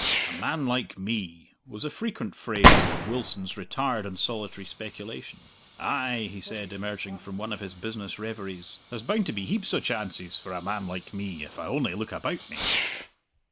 "A man like me," was a frequent phrase of Wilson's retired and solitary speculation. "Ay," he said, emerging from one of his business reveries, "there's bound to be heaps o' chances for a man like me, if I only look about me."